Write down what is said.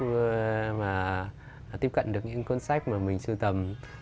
và tiếp cận được những cuốn sách mà mình sưu tầm